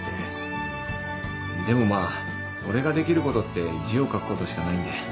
でもまあ俺ができることって字を書くことしかないんで。